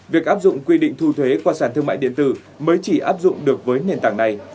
việc áp dụng quy định thu thuế qua sản thương mại điện tử mới chỉ áp dụng được với nền tảng này